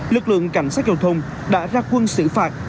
lực lượng cảnh sát giao thông đã ra quân xử phạt